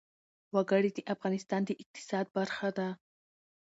وګړي د افغانستان د اقتصاد برخه ده.